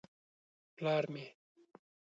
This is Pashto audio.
_ پلار مې.